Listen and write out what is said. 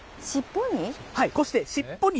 尻尾に？